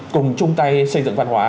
cùng chung tay xây dựng văn hóa